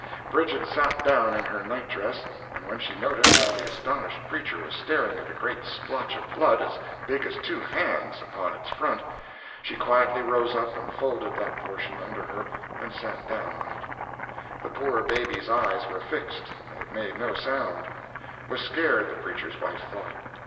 ] Bridget sat down in her night dress, and when she noticed that the astonished preacher was staring at a great splotch of blood, as big as two hands, upon its front, she quietly rose up and folded that portion under her and sat down on it. The poor baby's eyes were fixed and it made no sound—was scared, the preacher's wife thought.